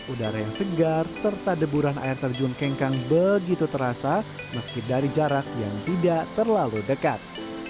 udara yang segar serta deburan air terjun kengkang begitu terasa meski dari jarak yang tidak terlalu dekat